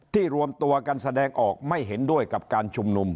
รวมตัวกันแสดงออกไม่เห็นด้วยกับการชุมนุม